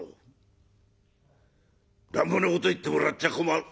乱暴なこと言ってもらっちゃ困る」。